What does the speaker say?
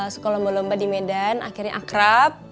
suka lomba lomba di medan akhirnya akrab